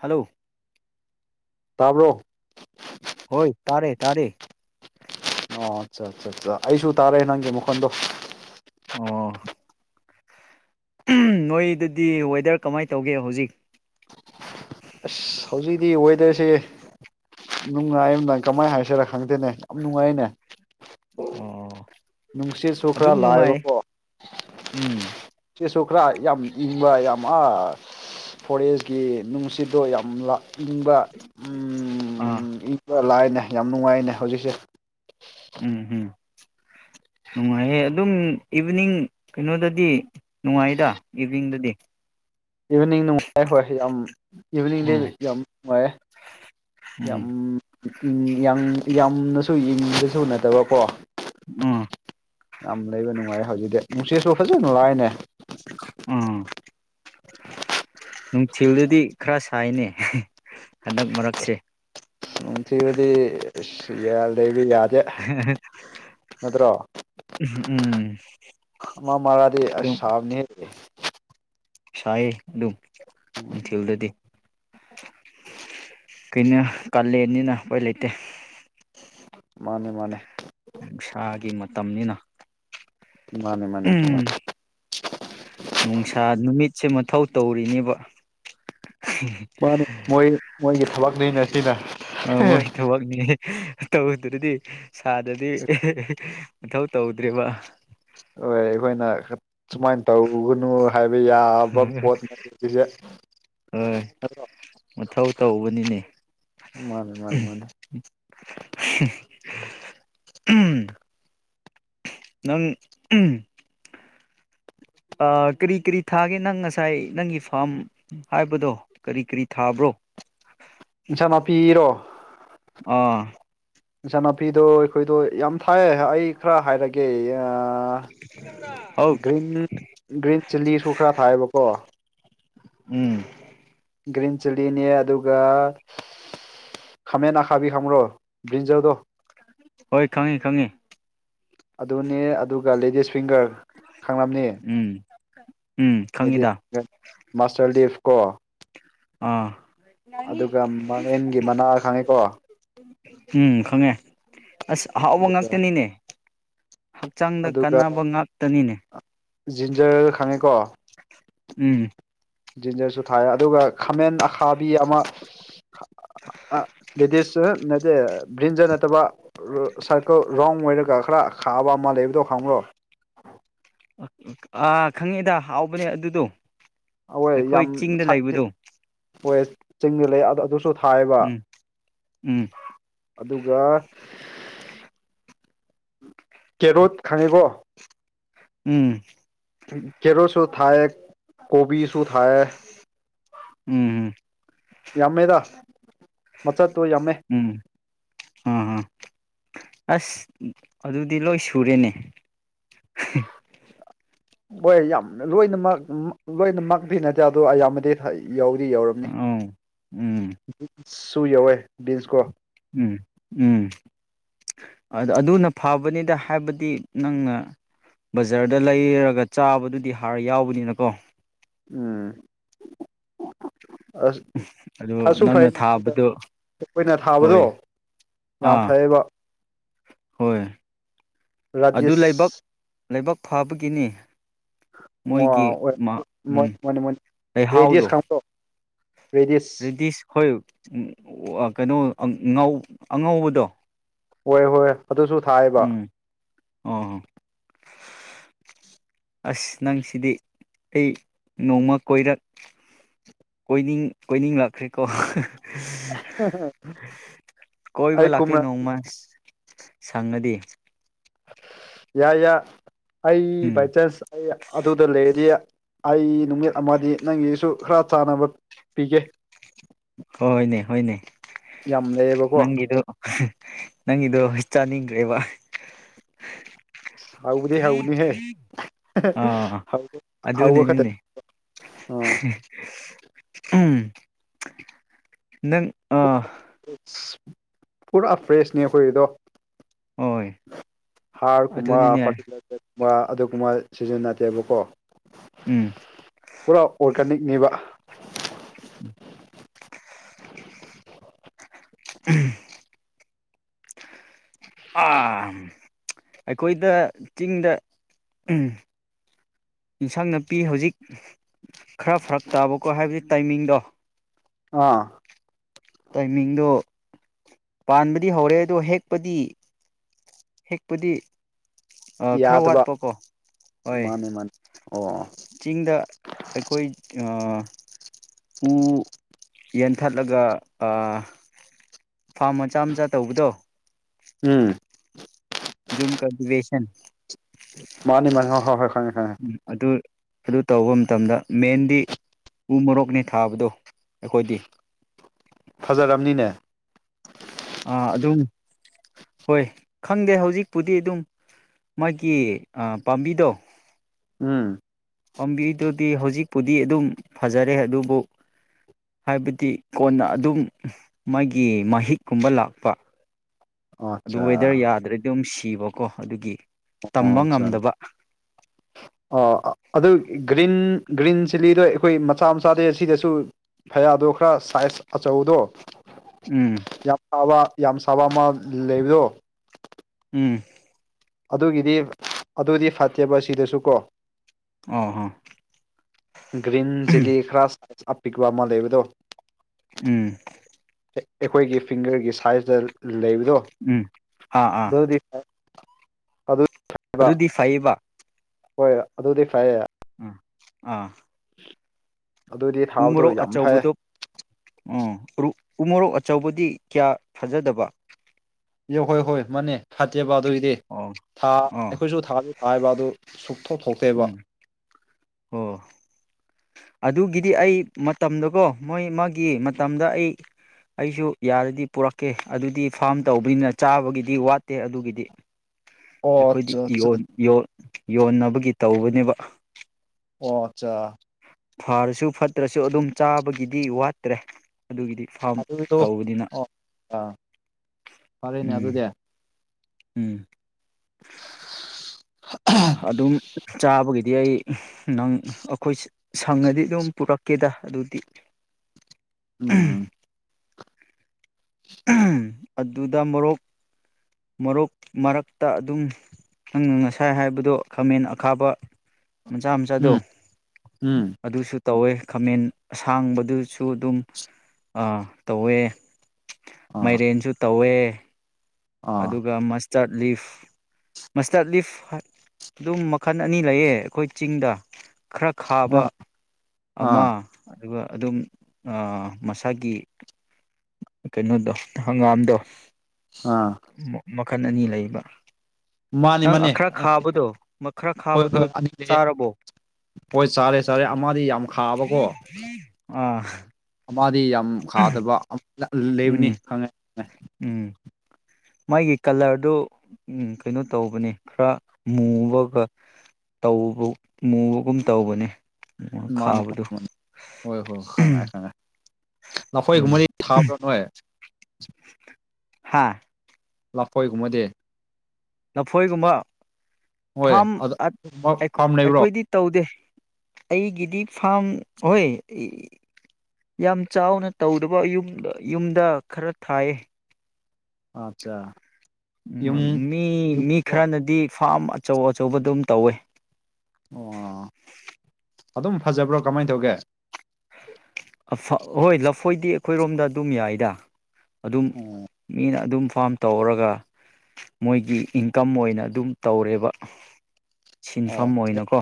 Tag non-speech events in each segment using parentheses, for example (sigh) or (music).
hello ꯇꯥꯕ꯭ꯔꯣ ꯍꯣꯏ ꯇꯥꯔꯦ ꯇꯥꯔꯦ ꯑꯣ ꯑꯠꯆꯥ ꯑꯆꯥ ꯑꯩꯁꯨ ꯇꯥꯔꯦ ꯅꯪꯒꯤ ꯃꯈꯟꯗꯣ ꯑꯣ ꯅꯣꯏꯗꯗꯤ ꯋꯦꯗꯔ ꯀꯃꯥꯏꯅ ꯇꯧꯒꯦ ꯍꯧꯖꯤꯛ ꯑꯁ ꯍꯧꯖꯤꯛꯤ ꯋꯦꯗꯔꯁꯦ ꯅꯨꯡꯉꯥꯏꯗꯥꯪ ꯀꯃꯥꯏꯅ ꯍꯥꯏꯁꯤꯔ ꯈꯪꯗꯦꯅꯦ ꯌꯥꯝ ꯅꯨꯡꯉꯥꯏꯅꯦ ꯑꯣ ꯅꯨꯡꯁꯤꯠ ꯁꯨ ꯈ꯭ꯔ ꯑꯗꯨꯝ ꯅꯨꯡꯉꯥꯏ ꯂꯥꯏꯕꯀꯣ ꯎꯝ ꯆꯦꯁꯣ ꯈꯔꯥ ꯌꯥꯝ ꯏꯪꯕ ꯌꯥꯝ ꯑꯥ ꯐꯣꯔꯦꯁꯀꯤ ꯅꯨꯡꯁꯤꯠꯗꯣ ꯌꯥꯝ ꯏꯪꯕ ꯑꯥ ꯏꯪꯕ ꯂꯥꯏꯅꯦ ꯌꯥꯝ ꯅꯨꯡꯉꯥꯏꯅꯦ ꯍꯧꯖꯤꯛꯁꯦ ꯎꯝ ꯎꯝ ꯅꯨꯡꯉꯥꯏꯍꯦ ꯑꯗꯨꯝ ꯏꯚꯤꯅꯤꯡ ꯀꯩꯅꯣꯗꯗꯤ ꯅꯨꯡꯉꯥꯏꯗ ꯏꯚꯤꯅꯤꯡꯗꯗꯤ ꯏꯚꯤꯅꯤꯡ ꯅꯨꯡꯉꯥꯏ ꯍꯣꯏ ꯌꯥꯝ ꯏꯚꯤꯅꯤꯡꯗꯤ ꯎꯝ ꯌꯥꯝ ꯅꯨꯡꯉꯥꯏꯔꯦ ꯌꯥꯝ ꯎꯝ ꯌꯥꯝꯅꯁꯨ ꯌꯦꯪꯕꯁꯨ ꯅꯗꯕꯀꯣ ꯑꯝ ꯌꯥꯝ ꯂꯩꯕ ꯅꯨꯡꯉꯥꯏꯔꯦ ꯍꯧꯖꯤꯛꯇꯗꯤꯤ ꯅꯨꯡꯁꯤꯠꯁꯨ ꯐꯖꯅ ꯂꯥꯏꯅꯦ (unintelligible) ꯅꯨꯡꯊꯤꯜꯗꯨꯗꯤ ꯈꯔ ꯁꯥꯏꯅꯦ ꯍꯟꯗꯛ ꯃꯔꯛꯁꯦ ꯎ ꯊꯕꯗꯤ ꯌꯥꯗ (unintelligible) ꯅꯠꯇ꯭ꯔꯣ ꯎꯝ ꯑꯃ ꯃꯔꯥꯗꯤ ꯑꯁ ꯑꯗꯨꯗꯝ ꯁꯥꯕꯅꯤ ꯁꯑꯌꯦ ꯑꯗꯨ ꯑꯗꯨꯝ ꯅꯤꯡꯊꯤꯜꯗꯗꯤ ꯀꯩꯅ ꯂꯦꯟꯅꯤꯅ ꯑꯩꯈꯣꯏ ꯂꯩꯇꯦ ꯃꯥꯅꯦ ꯃꯥꯅꯦ ꯅꯨꯡꯁꯥꯒꯤ ꯃꯥꯅꯦ ꯃꯥꯅꯦ ꯎ ꯆꯨꯝꯃꯦ ꯅꯨꯡꯁꯥ ꯅꯨꯃꯤꯠꯁꯦ ꯃꯊꯧ ꯇꯧꯔꯤꯅꯦꯕ ꯃꯥꯅꯦ ꯃꯣꯏ ꯃꯣꯏꯒꯤ ꯊꯕꯛꯅꯤꯅ ꯁꯤꯅ ꯑ ꯃꯣꯏ ꯊꯕꯛꯅꯤ ꯇꯧꯗ꯭ꯔꯗꯤ ꯁꯥꯗ꯭ꯔꯗꯤ ꯃꯊꯧ ꯇꯧꯗ꯭ꯦꯕ ꯍꯣꯏ ꯑꯩꯈꯣꯏꯅ ꯁꯨꯃꯥꯏꯅ ꯇꯧꯒꯅꯨ ꯍꯥꯏꯕ ꯌꯥꯕ ꯄꯣꯠꯁꯦ ꯍꯣꯏ ꯃꯊꯧ ꯇꯧꯕꯅꯤꯅꯦ ꯃꯥꯅꯦ ꯃꯥꯅꯦ ꯃꯥꯅꯦ ꯎꯝ ꯅꯪ ꯎꯝ ꯑꯥ ꯀꯔꯤ ꯀꯔꯤ ꯊꯥꯒꯦ ꯅꯪ ꯉꯁꯥꯏ ꯅꯪꯒꯤ ꯐꯥꯔꯝ ꯍꯥꯏꯕꯗꯣ ꯀꯔꯤ ꯀꯔꯤ ꯊꯥꯕ꯭ꯔꯣ (inaudible) ꯏꯁꯥꯟ ꯅꯥꯄꯤ ꯏꯔꯣ ꯑ ꯏꯟꯁꯥ ꯅꯥꯄꯤꯗꯣ ꯑꯩꯈꯣꯏꯗꯣ ꯌꯥꯝ ꯊꯥꯏꯌꯦ ꯑꯩ ꯈꯔ ꯍꯥꯏꯔꯒꯦ ꯑ ꯍꯧ ꯒ꯭ꯔꯤꯟ ꯒ꯭ꯔꯤꯟ ꯆꯤꯜꯂꯤꯁꯨ ꯈꯔ ꯊꯥꯏꯌꯦꯕꯀꯣ ꯎꯝ ꯒ꯭ꯔꯤꯟ ꯆꯤꯂꯤꯅꯦ ꯑꯗꯨꯒ ꯈꯥꯃꯦꯟ ꯑꯈꯥꯕꯤ ꯈꯪꯕꯔꯣ ꯕ꯭ꯔꯤꯟꯖꯜꯗꯣ ꯍꯣꯏ ꯈꯪꯉꯤ ꯈꯪꯉꯤ ꯑꯗꯨꯅꯤ ꯑꯗꯨꯒ ꯂꯦꯗꯤꯁ ꯐꯤꯡꯒꯔ ꯈꯥꯡꯂꯝꯅꯤ ꯎꯝ ꯎꯝ ꯑꯩꯗꯤꯠ ꯈꯪꯉꯤꯗ ꯃꯥꯁꯇꯔꯂꯤꯞ ꯀꯣ ꯑꯥ ꯑꯗꯨꯒ ꯃꯂꯦꯟꯒꯤ ꯃꯅꯥ ꯈꯪꯉꯦꯀꯣ ꯎꯝ ꯈꯪꯉꯦ ꯑꯁ ꯑꯍꯥꯎꯕ ꯑꯗꯨꯒ ꯉꯥꯛꯇꯅꯤꯅꯦ ꯍꯛꯆꯥꯡꯗ ꯑꯗꯨꯒ ꯀꯥꯟꯅꯕ ꯉꯥꯛꯇꯅꯤꯅꯦ ꯖꯤꯟꯖꯔ ꯈꯪꯉꯦꯀꯣ ꯎꯝ ꯖꯤꯟꯖꯔꯁꯨ ꯊꯥꯏꯌ ꯑꯗꯨꯒ ꯈꯥꯃꯦꯟ ꯑꯈꯥꯕꯤ ꯑꯃ ꯑ (inaudible) ꯑ ꯂꯦꯗꯤꯁ ꯑꯍ ꯅꯠꯗꯦ ꯕ꯭ꯔꯤꯟꯖ ꯅꯠꯇꯕ ꯁꯥꯔꯀꯜ ꯔꯥꯎ ꯑꯣꯏꯔꯒ ꯈꯔ ꯊꯥꯕ ꯑꯃ ꯂꯩꯕꯗꯣ ꯈꯪꯕ꯭ꯔꯣ ꯑ ꯈꯪꯉꯦꯗ ꯍꯥꯎꯕꯅꯦ ꯑꯗꯨꯗꯣ ꯑꯧꯋꯦ ꯑꯩꯈꯣꯏ ꯌꯥꯝ ꯆꯤꯡꯗ ꯁꯥꯠꯇꯦ ꯂꯩꯕꯗꯣ ꯑꯣꯌꯦ ꯆꯤꯡꯗ ꯂꯩꯌꯦ ꯑꯗ ꯑꯗꯨꯁꯨ ꯍꯥꯏꯕ ꯎꯝ ꯎꯝ ꯑꯗꯨꯒ ꯀꯦꯔꯣꯠ ꯈꯪꯉꯦꯛ ꯎꯝ ꯀꯦꯔꯣꯁꯨꯨ ꯊꯥꯏꯌꯦ ꯀꯣꯕꯤ ꯁꯨ ꯊꯥꯏꯌꯦ ꯎꯝ ꯎꯝ ꯌꯥꯝꯃꯦꯗ ꯃꯊꯠꯇꯣ ꯌꯥꯝꯃꯦ ꯎꯝ ꯑꯥ ꯑꯥ ꯑꯁ ꯑꯗꯨꯗꯤ ꯂꯣꯏ ꯁꯨꯔꯦꯅꯦ ꯍꯣꯏ ꯌꯥꯝ ꯂꯣꯏꯅꯃꯛ ꯂꯣꯏꯅꯃꯛꯗꯤ ꯅꯗꯦ ꯑꯗꯣ ꯑꯌꯥꯝꯕꯗꯤ ꯐꯩ ꯌꯥꯎꯗꯤ ꯌꯥꯎꯔꯝꯅꯤ ꯑꯧ ꯎꯝ ꯁꯨ ꯌꯧꯋꯦ ꯕꯤꯟꯁꯀꯣ ꯎꯝ ꯎꯝ ꯑ ꯑ ꯑꯗꯨꯅ ꯐꯕꯅꯤꯗ ꯍꯥꯏꯕꯗꯤ ꯅꯪꯅ ꯕꯖꯔꯗ ꯂꯩꯔꯒ ꯆꯥꯕꯗꯨꯗꯤ ꯍꯥꯔ ꯌꯥꯎꯕꯅꯤꯅꯀꯣ ꯎꯝ ꯑꯁ ꯑꯗꯨ ꯑꯁꯨ ꯐꯩ ꯅꯪꯅ ꯊꯥꯕꯗꯣ ꯑꯩꯈꯣꯏꯅ ꯍꯣꯏ ꯊꯥꯕꯗꯣ ꯌꯥꯝ ꯑꯥ ꯐꯩꯌꯦꯕ ꯍꯣꯏ ꯑꯗꯨ ꯂꯩꯕꯛ ꯔꯥꯖꯦꯁ ꯂꯩꯕꯛ ꯐꯥꯕꯒꯤꯅꯤ ꯃꯣꯏꯒꯤ ꯃ ꯂꯩꯍꯥꯎꯗꯣ ꯔꯦꯗꯤꯌꯁ ꯈꯪꯕ꯭ꯔꯣ ꯔꯦꯗꯤꯁ ꯍꯣꯏ ꯎ ꯋꯥ ꯀꯩꯅꯣ ꯑꯉꯧ ꯑꯉꯧꯕꯗꯣ ꯍꯣꯏ ꯍꯣꯏ ꯑꯗꯨꯁꯨ ꯊꯥꯏꯌꯦꯕ ꯎꯝ ꯑ ꯍ ꯑꯁ ꯅꯪꯁꯤꯗꯤ ꯑꯩ ꯅꯣꯡꯃ ꯀꯣꯏꯔꯛ ꯀꯣꯏꯅꯤꯡ ꯀꯣꯏꯅꯤꯡ ꯂꯥꯛꯈ꯭ꯔꯦꯀꯣ ꯀꯣꯏꯕ ꯑꯩ ꯂꯀꯦ ꯀꯨꯝꯅ ꯅꯣꯡꯣꯡ ꯃꯥ (inaudible) ꯁꯪꯉꯗꯤ ꯌꯥ ꯌꯥ ꯑꯩ ꯎꯝ ꯕꯥꯏ ꯆꯥꯟꯁ ꯑꯩ ꯑꯗꯨꯗ ꯂꯩꯔꯤ ꯑꯩ ꯅꯨꯃꯤꯠ ꯑꯃꯗꯤ ꯅꯪꯒꯤꯁꯨ ꯈꯔ ꯆꯥꯟꯅꯕ ꯄꯤꯒꯦ ꯍꯣꯏꯅꯦ ꯍꯣꯏꯅꯦ ꯌꯥꯝ ꯂꯩꯌꯦꯕꯀꯣ ꯅꯪꯒꯤꯗꯣ ꯅꯪꯒꯤꯗꯣ ꯆꯥꯅꯤꯡꯗ꯭ꯔꯦꯕ ꯍꯧꯕꯗꯤ ꯍꯧꯅꯤꯍꯦ (unintelligible) (inaudible) ꯑ ꯍꯧꯕ ꯈꯛꯇ ꯑꯗꯨꯅꯦꯅꯤꯅꯦ ꯑꯥ ꯎꯝ (inaudible) ꯅꯪ ꯑ ꯄꯨꯔꯥ ꯐ꯭ꯔꯦꯁꯅꯦ ꯑꯩꯈꯣꯏ ꯑꯗꯣ ꯍꯣꯏ ꯍꯥꯔꯒꯨꯝꯕ ꯑꯗꯨꯅꯤꯅꯦ ꯐꯔꯇꯤꯂꯥꯏꯖꯔꯒꯨꯝꯕ ꯑꯗꯨꯒꯨꯝꯕ ꯁꯤꯖꯤꯟꯅꯗꯦꯕꯀꯣ ꯎꯝ (inaudible) ꯕ (unintelligible) (inaudible) ꯎꯝ ꯑꯩꯈꯣꯏꯗ ꯆꯤꯡꯗ ꯏꯟꯁꯥꯡ ꯅꯥꯄꯤ ꯍꯧꯖꯤꯛ ꯈꯔ ꯐꯔꯛ ꯇꯥꯕꯀꯣ ꯍꯥꯏꯕꯗꯤ ꯇꯥꯏꯃꯤꯡꯗꯣ ꯑꯥ ꯇꯥꯏꯃꯤꯡꯗꯣ ꯄꯥꯟꯕꯗꯤ ꯍꯧꯔꯦ ꯑꯗꯣ ꯍꯦꯛꯄꯗꯤ ꯍꯦꯛꯄꯗꯤ ꯑꯥ ꯈꯔ ꯌꯥꯗꯕ ꯋꯥꯠꯄꯀꯣ ꯍꯣꯏ ꯃꯥꯅꯦ ꯃꯥꯅꯦ ꯑꯣ ꯆꯤꯡꯗ ꯑꯩꯈꯣꯏ ꯎ ꯌꯦꯟꯊꯠꯂꯒ ꯐꯥꯔꯝ ꯃꯆꯥ ꯃꯆꯥ ꯇꯧꯕꯗꯣ ꯎꯝ ꯖꯝ ꯀꯜꯇꯤꯚꯦꯁꯟ ꯃꯥꯅꯤ ꯃꯥꯅꯤ ꯍ ꯍꯣꯏ ꯍꯣꯏ ꯈꯪꯉꯦ ꯈꯪꯉꯦ ꯎꯝ ꯑꯗꯨ ꯑꯗꯨ ꯇꯧꯕ ꯃꯇꯝꯗ ꯃꯦꯟꯗꯤ ꯎ ꯃꯣꯔꯣꯛꯅꯤ ꯊꯥꯕꯗꯣ ꯑꯩꯈꯣꯏꯗꯤ ꯈꯖꯔꯝꯅꯤꯅꯦ ꯑ ꯑꯗꯨꯝ ꯍꯣꯏ ꯈꯪꯗꯦ ꯍꯧꯖꯤꯛꯄꯨꯗꯤ ꯑꯗꯨꯝ ꯃꯥꯒꯤ ꯄꯥꯝꯕꯤꯗꯣ ꯎꯝ ꯄꯥꯝꯕꯤꯗꯨꯗꯤ ꯍꯧꯖꯤꯛꯄꯨꯗꯤ ꯑꯗꯨꯝ ꯐꯖꯔꯦ ꯑꯗꯨꯕꯨ ꯍꯥꯏꯕꯗꯤ ꯀꯣꯟꯅ ꯑꯗꯨꯝ ꯃꯥꯒꯤ ꯃꯍꯤꯛꯀꯨꯝꯕ ꯂꯥꯛꯄ ꯑꯗꯨ ꯑꯠꯆꯥ ꯋꯦꯗꯔ ꯌꯥꯗ꯭ꯔꯗꯤ ꯑꯗꯨꯝ ꯁꯤꯕꯀꯣ ꯑꯗꯨꯒꯤ ꯑꯣ ꯇꯝꯕ ꯆ ꯉꯝꯗꯕ ꯑ ꯑꯗ (inaudible) ꯒ꯭ꯔꯤꯟ ꯒ꯭ꯔꯤꯟ ꯆꯤꯂꯤꯗꯣ ꯑꯩꯈꯣꯏ ꯃꯆꯥ ꯃꯆꯥꯗꯩ ꯑꯁꯤꯗꯁꯨ ꯐꯌꯥꯗꯣ ꯈꯔ ꯁꯥꯏꯖ ꯑꯆ ꯇꯧꯗꯣ ꯎꯝ ꯌꯥꯝꯕ ꯌꯥꯝ ꯁꯥꯕ ꯑꯃ ꯂꯩꯕꯗꯣ ꯎꯝ ꯑꯗꯨꯒꯤꯗꯤ ꯑꯗꯨꯗꯤ ꯐꯠꯇꯦꯕ ꯁꯤꯗꯁꯨ ꯀꯣ ꯑ ꯍ (inaudible) ꯒ꯭ꯔꯤꯟ ꯆꯤꯂꯤ ꯈ꯭ꯔꯥꯁ ꯑꯄꯤꯛꯄ ꯑꯃ ꯂꯩꯕꯗꯣ ꯎꯝ (inaudible) ꯑꯩꯈꯣꯏꯒꯤ ꯐꯤꯡꯒꯔꯒꯤ ꯁꯥꯏꯖꯇ ꯂꯩꯕꯗꯣ ꯎꯝ ꯑꯥ ꯑꯥ ꯑꯗꯨꯗꯤ ꯑꯗ (inaudible) ꯑꯗꯨꯗꯤ ꯐꯩꯌꯦꯕ ꯍꯣꯏ ꯑꯗꯨꯗꯤ ꯐꯩꯌꯦ ꯎꯝ ꯑꯥ (inaudible) ꯑꯗꯨꯗꯤ ꯎ ꯊꯥꯕꯗꯣ ꯃꯣꯔꯣꯛ ꯌꯥꯝ ꯐꯩ ꯑꯆꯕꯗꯣ ꯎꯝꯨ ꯎꯃꯣꯔꯣꯛ ꯑꯆꯧꯕꯗꯤ ꯀꯌꯥ ꯐꯖꯗꯕ ꯏ ꯍꯣꯏ ꯍꯣꯏ ꯃꯅꯦ ꯐꯇꯦꯕ ꯑꯗꯨꯏꯗꯤ ꯑꯣ ꯊꯥ ꯑꯥ ꯑꯩꯈꯣꯏꯁꯨ ꯊꯥꯒꯤ ꯊꯥ ꯍꯥꯏꯕ ꯑꯗꯨ ꯁꯨꯣꯛ ꯊꯣꯛꯇꯦꯕ ꯎꯝ ꯑꯣ ꯑꯗꯨꯒꯤꯗꯤ ꯑꯩ ꯃꯇꯝꯗꯀꯣ ꯃꯣꯏ ꯃꯥꯒꯤ ꯃꯇꯝꯗ ꯑꯩ ꯑꯩꯁꯨ ꯌꯥꯔꯗꯤ ꯄꯨꯔꯛꯀꯦ ꯑꯗꯨꯗꯤ ꯐꯥꯔꯝ ꯇꯧꯕꯅꯤꯅ ꯆꯥꯕꯒꯤꯗꯤ ꯋꯥꯠꯇꯦ ꯑꯗꯨꯒꯤꯗꯤ ꯑꯣ ꯑꯩꯈꯣꯏꯗꯤ ꯆꯥ ꯆꯥ ꯌꯣꯟꯅꯕꯒꯤ ꯇꯧꯕꯅꯦꯕ ꯑꯣ ꯑꯆꯥ ꯐꯔꯁꯨ ꯐꯠꯇ꯭ꯔꯁꯨ ꯑꯗꯨꯝ ꯆꯥꯕꯒꯤꯗꯤ ꯋꯥꯠꯇ꯭ꯔꯦ ꯑꯗꯨꯒꯤꯗꯤ ꯐꯥꯝ ꯑꯗꯨꯒꯤꯗꯣ ꯇꯧꯕꯅꯤꯅ ꯑꯣ ꯑꯥ ꯐꯔꯦꯅꯦ ꯎꯝ ꯑꯗꯨꯗꯤ ꯎꯝ ꯑꯗꯨꯝ ꯆꯥꯕꯒꯤ ꯗꯤ ꯑꯩ ꯅꯪ ꯑꯩꯈꯣꯏ ꯁꯪꯉꯗꯤ ꯑꯗꯨꯝ ꯄꯨꯔꯛꯀꯦꯗ ꯑꯗꯨꯗꯤ ꯑ ꯑꯗꯨꯗ ꯃꯣꯔꯣꯛ ꯃꯔꯣꯛ ꯃꯔꯛꯇ ꯑꯗꯨꯝ ꯅꯪꯅ ꯉꯁꯥꯏ ꯍꯥꯏꯕꯗꯨ ꯑꯗꯣ ꯈꯥꯃꯦꯟ ꯑꯈꯥꯕ ꯃꯆꯥ ꯃꯆꯥꯗꯣ ꯎꯝ ꯎꯝ ꯑꯗꯨꯁꯨ ꯇꯧꯋꯦ ꯈꯥꯃꯦꯟ ꯑꯁꯥꯡꯕꯗꯨꯁꯨ ꯑꯗꯨꯝ ꯇꯧꯋꯦ ꯑꯥ ꯃꯥꯏꯔꯦꯟꯁꯨ ꯇꯧꯋꯦ ꯑꯥ ꯑꯗꯨꯒ ꯃꯁꯇꯔꯠ ꯂꯤꯐ ꯃꯁꯤꯁꯗꯠ ꯂꯤꯐ ꯑꯗꯨꯝ ꯃꯈꯜ ꯑꯅꯤ ꯂꯩꯌꯦ ꯑꯩꯈꯣꯏ ꯆꯤꯡꯗ ꯈꯔ ꯈꯥꯕ ꯑꯥ ꯑꯥ ꯑꯃ ꯑꯗꯨꯒ ꯑꯗꯨꯝ ꯃꯁꯥꯒꯤ ꯀꯩꯅꯣꯗꯣ ꯍꯪꯒꯥꯝꯗꯣ ꯑꯥ ꯃꯈꯜ ꯑꯅꯤ ꯂꯩꯕ ꯃꯥꯅꯤ ꯅꯪ ꯃꯥꯅꯤ ꯑꯈꯔ ꯈꯥꯕꯗꯣ ꯃꯈꯛꯔ ꯍꯣꯏ ꯈꯥꯕꯗꯨꯣ ꯍꯣꯏ ꯑꯅꯤ ꯂꯩꯌꯦ ꯆꯥꯔꯕꯣ ꯍꯣꯏ ꯆꯥꯔꯦ ꯆꯥꯔꯦ ꯑꯃꯗꯤ ꯌꯥꯝ ꯈꯥꯕꯀꯣ ꯑꯥ ꯃꯥꯗꯤ ꯌꯥꯝ ꯈꯥꯗꯕ ꯂꯩꯕꯅꯤ ꯎꯝ ꯈꯪꯉꯦ ꯈꯪꯉꯦ ꯎꯝ ꯃꯥꯒꯤ ꯀꯂꯔꯗꯨ ꯎ ꯀꯩꯅꯣ ꯇꯧꯕꯅꯦ ꯈꯔ ꯃꯨꯕꯒ ꯇ ꯃꯨꯕꯒꯨꯝ ꯇꯧꯕꯅꯤ ꯃꯥꯅꯤ ꯃꯥ ꯃꯥꯅꯤ ꯍꯣꯏ ꯍꯣꯏ ꯈꯉꯦ ꯈꯪꯉꯦ ꯅꯐꯣꯏ ꯎꯝ ꯁꯨꯃꯂꯤ ꯊꯥꯕꯔ ꯅꯍꯦ ꯍꯥꯥ ꯂꯐꯣꯏꯒꯨꯝꯃꯗꯤ ꯂꯐꯣꯏꯒꯨꯝꯕ ꯍꯣꯏ ꯐꯥꯝ ꯑꯗ ꯐꯥꯔꯝ ꯂꯩꯕ꯭ꯔꯣ ꯑꯩꯈꯣꯏꯗꯤ ꯇꯧꯗꯦ ꯑꯩ ꯤꯗꯤ ꯐꯥꯝ ꯍꯣꯏ ꯌꯥꯝ ꯆꯥꯎꯅ ꯇꯧꯗꯕ ꯌꯨꯝꯗ ꯈꯔ ꯊꯥꯏꯌꯦ ꯑꯆꯥ ꯃꯤ ꯃꯤ ꯈꯔꯅꯗꯤ ꯐꯥꯝ ꯑꯆꯧ ꯑꯆꯧꯕ ꯑꯗꯨꯝ ꯇꯧꯋꯦ ꯑꯣ ꯑꯗꯨꯝ ꯐꯖꯕ꯭ꯔꯣ ꯀꯃꯥꯏ ꯇꯧꯒꯦ ꯍꯣꯏ ꯂꯐꯣꯏꯗꯤ ꯑꯩꯈꯣꯏꯔꯣꯝꯗ ꯑꯗꯨꯝ ꯌꯥꯏꯗ ꯑꯗꯨꯝ ꯑꯣ ꯃꯤꯅ ꯑꯗꯨꯝ ꯐꯥꯝ ꯇꯧꯔꯒ ꯃꯣꯏꯒꯤ ꯏꯟꯀꯝ ꯑꯣꯏꯅ ꯑꯗꯨꯝ ꯇꯧꯔꯦꯕ ꯑꯣ ꯁꯤꯟꯐꯝ ꯑꯣꯏꯅꯀꯣ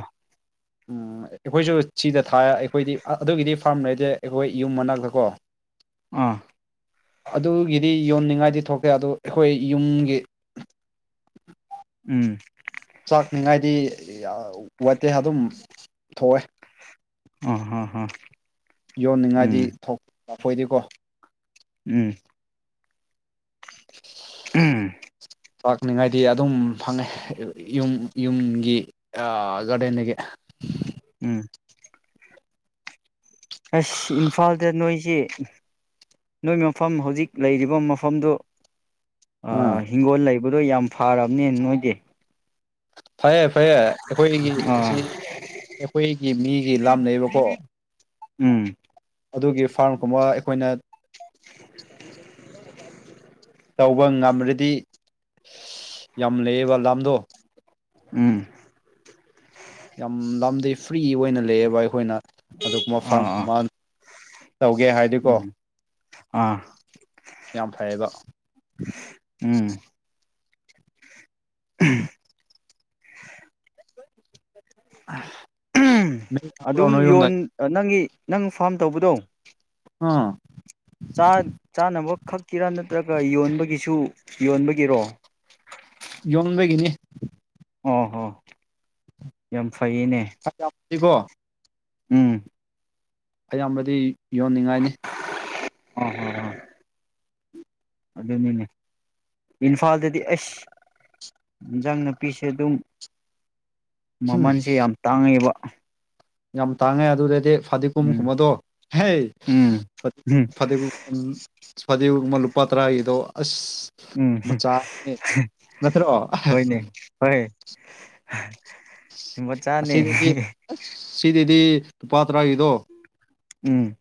ꯎꯝ ꯑꯩꯈꯣꯏꯁꯨ ꯁꯤꯗ ꯊꯥꯏ ꯑꯩꯈꯣꯏꯗꯤ ꯑꯗꯨꯒꯤꯗꯤ ꯐꯥꯔꯝ ꯂꯩꯗꯦ ꯑꯩꯈꯣꯏ ꯌꯨꯝ ꯃꯅꯥꯛꯇ ꯀꯣ ꯑ ꯑꯗꯨꯒꯤꯗꯤ ꯌꯣꯟꯅꯤꯡꯉꯥꯏꯗꯤ ꯊꯣꯛꯇꯦ ꯑꯗꯨ ꯑꯩꯈꯣꯏ ꯌꯨꯝꯒꯤ ꯎꯝ ꯆꯥꯛꯅꯤꯉꯥꯏꯗꯤ ꯋꯥꯠꯇꯦ ꯑꯗꯨꯝ ꯊꯣꯛꯑꯦ ꯑ ꯍ ꯍ ꯌꯣꯟꯅꯤꯡꯉꯥꯏꯗꯤ ꯑꯩꯈꯣꯏꯗꯤꯀꯣ ꯎꯝ ꯎꯝ ꯂꯥꯛꯅꯤꯉꯥꯏꯗꯤ ꯑꯗꯨꯝ ꯐꯪꯉꯦ ꯌꯨꯝ ꯌꯨꯝꯒꯤ ꯒꯥꯔꯗꯦꯟꯗꯒꯤ ꯎꯝ ꯑꯁ ꯏꯝꯐꯥꯜꯗ ꯅꯣꯏꯁꯤ ꯅꯣꯏ ꯃꯐꯝ ꯍꯧꯖꯤꯛ ꯂꯩꯔꯤꯕ ꯃꯐꯝꯗꯨ ꯑꯥ ꯍꯤꯡꯒꯣꯜ ꯂꯩꯕꯗꯣ ꯌꯥꯝ ꯐꯔꯕꯅꯦ ꯅꯣꯏꯗꯤ ꯐꯩꯌꯦ ꯐꯩꯌꯦ ꯑꯩꯈꯣꯏꯅꯤꯒꯤ ꯑꯁꯤ ꯑꯥ ꯑꯩꯈꯣꯏꯒꯤ ꯃꯤꯒꯤ ꯂꯝꯅꯦꯕꯀꯣ ꯎꯝ ꯑꯗꯨꯒꯤ ꯐꯥꯔ꯭ꯝꯒꯨꯝꯕ ꯑꯩꯈꯣꯏꯅ (unintelligible) ꯇꯧꯕ ꯉꯝꯔꯗꯤ ꯌꯥꯝ ꯂꯩꯑꯦꯕ ꯂꯝꯗꯣ ꯎꯝ ꯌꯥꯝ ꯂꯝꯗꯤ ꯐ꯭ꯔꯤ ꯑꯣꯏꯅ ꯂꯩꯑꯕ ꯑꯩꯈꯣꯏꯅ ꯑꯗꯨꯒꯨꯝꯕ ꯑꯥ ꯑꯥ ꯐꯥꯔꯝꯒꯨꯝꯕ ꯇꯧꯒꯦ ꯍꯥꯏꯔꯗꯤꯀꯣ ꯎꯝ ꯑꯥ ꯌꯥꯝ ꯐꯩꯌꯦꯕ ꯎꯝ ꯎꯝ ꯑ ꯑꯗꯨꯝ ꯌꯣꯟ ꯅꯪꯒꯤ ꯅꯪ ꯐꯥꯝ ꯇꯧꯕꯗꯣ ꯑꯥ ꯆꯥꯅꯕ ꯈꯛꯀꯤꯔꯥ ꯅꯠꯇ꯭ꯔꯒ ꯌꯣꯟꯕꯒꯤꯁꯤ ꯁꯨ ꯌꯣꯟꯕꯒꯤꯔꯣ ꯌꯣꯟꯕꯒꯤꯅꯤ ꯑꯣ ꯍꯣ ꯌꯥꯝ ꯐꯩꯌꯦꯅꯦ ꯁꯤꯕꯣ ꯎꯝ ꯑꯌꯥꯝꯕꯗꯤ ꯌꯣꯟꯅꯤꯡꯉꯥꯏꯅꯤ ꯑꯣ ꯍ ꯍ ꯑꯗꯨꯅꯤꯅꯦ ꯏꯝꯐꯥꯜꯗꯗꯤ ꯑꯁ ꯏꯟꯖꯥꯡ ꯅꯥꯄꯤꯁꯦ ꯑꯗꯨꯝ ꯎꯝ ꯃꯃꯜꯁꯦ ꯌꯥꯝ ꯇꯥꯡꯉꯦꯕ ꯌꯥꯝ ꯇꯥꯡꯉꯦ ꯑꯗꯨꯔꯗꯤ ꯐꯥꯗꯦꯀꯨꯨꯝ ꯎꯝ ꯁꯨꯃꯗꯣ ꯍꯦ ꯎꯝ ꯐ ꯎꯝ ꯐꯗꯦꯀꯨ ꯗꯤꯕꯒꯨꯝꯕ ꯂꯨꯄꯥ ꯇꯔꯥꯒꯤꯗꯣ ꯑꯁ ꯎꯝ ꯃꯆꯥꯅꯦ ꯅꯠꯇ꯭ꯔꯑꯣ ꯍꯣꯏꯅꯦ ꯍꯣꯏ ꯃꯆꯥꯅꯦ ꯑꯁꯤꯗꯤ ꯁꯤꯗꯗꯤ ꯂꯨꯄꯥ ꯇꯔꯥꯒꯤꯗꯣ ꯎꯝ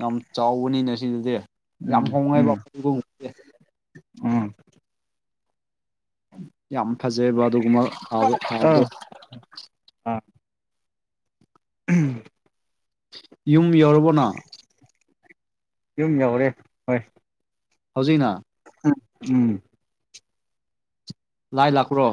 ꯌꯥꯝ ꯆꯥꯎꯕꯅꯤꯅꯦ ꯁꯤꯗꯗꯤ ꯌꯥꯝ ꯎꯝ ꯍꯣꯡꯉꯦꯕ ꯎꯝ ꯎꯝ ꯌꯥꯝ ꯐꯖꯩꯑꯕ ꯑꯗꯨꯒꯨꯝꯕ ꯑ ꯊꯥꯕꯗꯣ ꯎꯝ ꯌꯨꯝ ꯌꯧꯔꯕꯅ ꯌꯨꯝ ꯌꯧꯔꯦ ꯍꯣꯏ ꯍꯧꯖꯤꯛꯅ ꯎꯝ ꯎꯝ ꯂꯥꯏ ꯂꯥꯛꯄ꯭ꯔꯣ